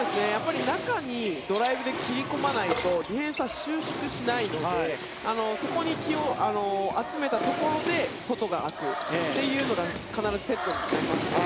中にドライブで切り込まないとディフェンスは収縮しないのでそこに気を集めたところで外が空くというのが必ずセットになります。